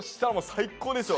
最高ですよ！